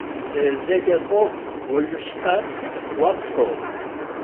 Зегь акоуп уажәшьҭан уаԥхьоит.